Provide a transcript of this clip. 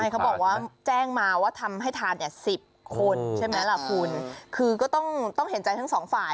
เขาบอกว่าแจ้งมาว่าทำให้ทาน๑๐คนคือก็ต้องเห็นใจทั้งสองฝ่าย